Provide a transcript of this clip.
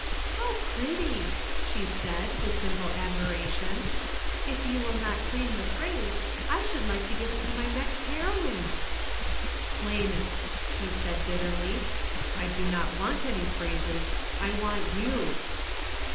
"How pretty!" she said with simple admiration. "If you will not claim the phrase, I should like to give it to my next heroine." "Claim it!" he said bitterly. "I do not want any phrases. I want you."